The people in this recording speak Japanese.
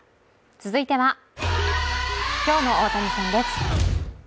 続いては「今日の大谷さん」です。